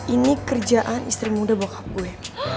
ini kerjaan istri muda bokap gue